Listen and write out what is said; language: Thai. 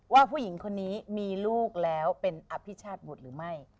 ว่าผู้หญิงคนนี้มีลูกแล้วเป็นอภิชาติบุตรหรือไม่